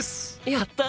やった！